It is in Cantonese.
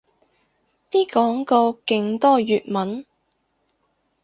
啲廣告勁多粵文